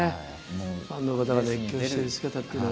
ファンの方が熱狂してる姿っていうのは。